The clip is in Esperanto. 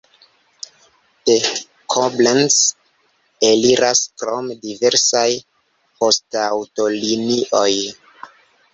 De Koblenz eliras krome diversaj poŝtaŭtolinioj.